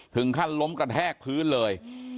ถึงขั้นล้มกระแทกพื้นเลย